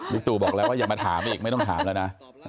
ตู่บอกแล้วว่าอย่ามาถามอีกไม่ต้องถามแล้วนะ